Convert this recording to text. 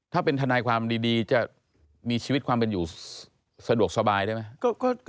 ถ้าเป็นทนายความดีจะมีชีวิตความเป็นอยู่สะดวกสบายได้ไหม